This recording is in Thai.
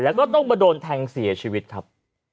แล้วก็ต้องมาโดนแทงเสียชีวิตครับ